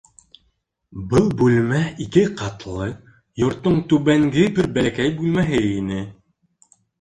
Был бүлмә ике ҡатлы йорттоң түбәнге бер бәләкәй бүлмәһе ине.